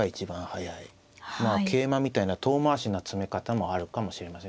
まあ桂馬みたいな遠回しな詰め方もあるかもしれません。